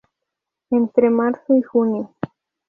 Entre marzo y junio.